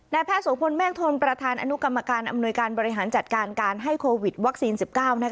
แพทย์โสพลเมฆทนประธานอนุกรรมการอำนวยการบริหารจัดการการให้โควิดวัคซีน๑๙